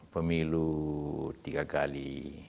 pemilu tiga kali